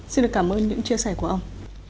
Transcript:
xin được cảm ơn những chia sẻ của ông